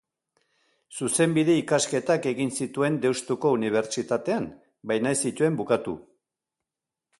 Zuzenbide ikasketak egin zituen Deustuko Unibertsitatean, baina ez zituen bukatu.